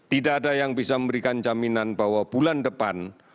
tidak ada yang bisa memberikan jaminan bahwa bulan depan